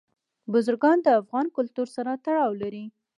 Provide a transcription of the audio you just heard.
بزګان د افغان کلتور سره تړاو لري.